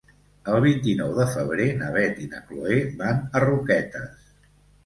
El vint-i-nou de febrer na Beth i na Chloé van a Roquetes.